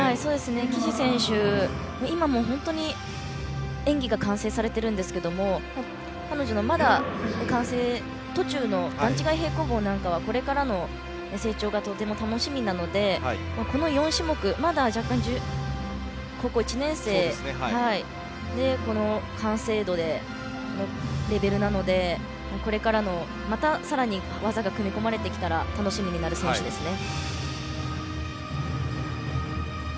岸選手、今でも本当に演技が完成されていますが彼女のまだ完成途中の段違い平行棒なんかはこれからの成長がとても楽しみなのでこの４種目まだ弱冠高校１年生でこの完成度で、このレベルなのでこれからの、またさらに技が組み込まれてきたら楽しみになる選手ですね。